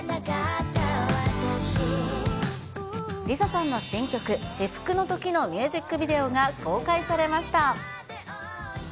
ＬｉＳＡさんの新曲、シフクノトキのミュージックビデオが公開されました。